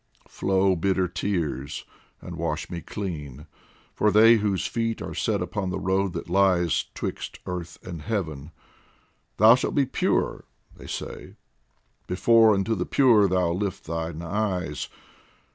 Flow, bitter tears, and wash me clean ! for they Whose feet are set upon the road that lies 'Twixt Earth and Heaven :" Thou shalt be pure," they say, "Before unto the pure thou lift thine eyes."